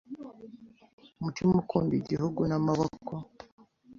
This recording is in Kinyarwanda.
umutime ukunde igihugu n’emeboko